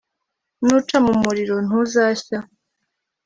nuca mu muriro ntuzashya